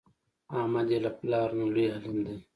احمد یې له پلار نه لوی عالم دی.